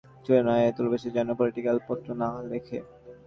Political বিষয় তোমরা কেউ ছুঁয়ো না, এবং তুলসীরামবাবু যেন পলিটিক্যাল পত্র না লেখে।